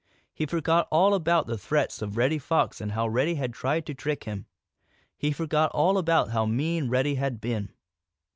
He forgot all about the threats of Reddy Fox and how Reddy had tried to trick him. He forgot all about how mean Reddy had been.